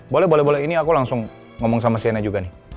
boleh boleh ini aku langsung ngomong sama cnn juga nih